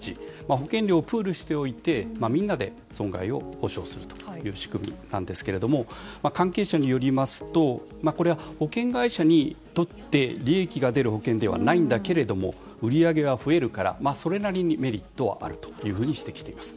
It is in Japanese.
保険料をプールしておいてみんなで損害を補償するという仕組みなんですけど関係者によりますとこれは、保険会社にとって利益が出る保険ではないんだけれども売り上げは増えるからそれなりにメリットはあるというふうに指摘しています。